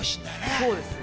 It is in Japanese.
◆そうですね。